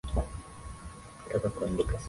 Nataka kuandika sentensi